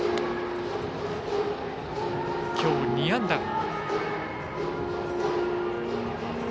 今日２安打。